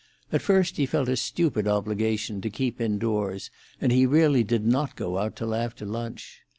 At first he felt a stupid obligation to keep indoors, and he really did not go out till after lunch.